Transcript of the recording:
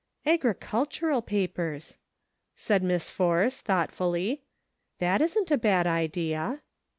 " Agricultural papers," said Miss Force, thought fully ;" that isn't a bad idea."